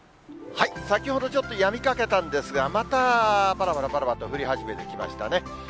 先ほどちょっとやみかけたんですが、またばらばらばらばらと降り始めてきましたね。